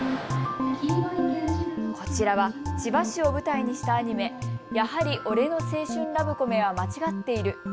こちらは千葉市を舞台にしたアニメ、やはり俺の青春ラブコメはまちがっている。